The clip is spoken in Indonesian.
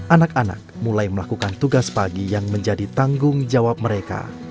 anak anak mulai melakukan tugas pagi yang menjadi tanggung jawab mereka